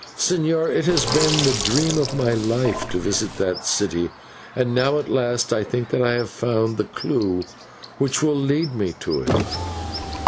Señor, it has been the dream of my life to visit that city, and now at last I think that I have found the clue which will lead me to it."